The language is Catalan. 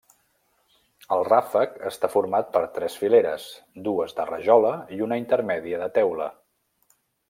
El ràfec està format per tres fileres, dues de rajola i una intermèdia de teula.